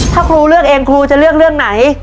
ถ้าครูเลือกเองครูจะเลือกเรื่องไหน